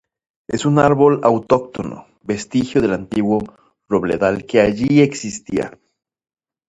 Es un árbol autóctono, vestigio del antiguo robledal que allí existía.